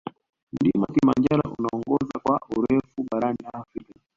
mlima kilimanjaro unaongoza kwa urefu barani afrika